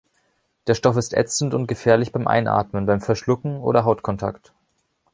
Der Stoff ist ätzend und gefährlich beim Einatmen, beim Verschlucken oder Hautkontakt.